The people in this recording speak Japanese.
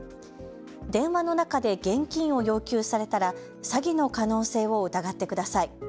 電話の中で現金を要求されたら詐欺の可能性を疑ってください。